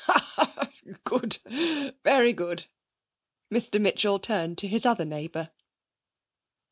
'Ha ha! Good, very good!' Mr Mitchell turned to his other neighbour.